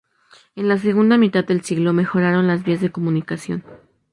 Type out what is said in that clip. En la segunda mitad del siglo mejoraron las vías de comunicación.